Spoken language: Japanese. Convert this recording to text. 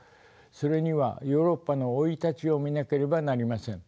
それにはヨーロッパの生い立ちを見なければなりません。